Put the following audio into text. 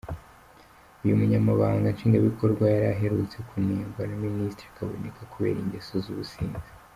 Uyu Munyamabanga Nshingwabikorwa yari aherutse kunengwa na Minisitiri Kaboneka kubera ingeso y’ubusinzi.